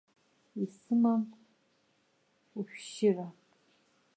Исымам ушәшьыра.